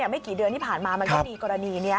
ไม่กี่เดือนที่ผ่านมามันก็มีกรณีนี้